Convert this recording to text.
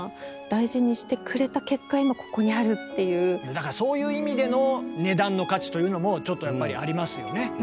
だからそういう意味での値段の価値というのもちょっとやっぱりありますよね。